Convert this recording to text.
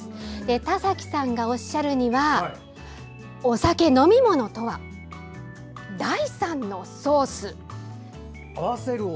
田崎さんがおっしゃるにはお酒、飲み物とは第３のソース。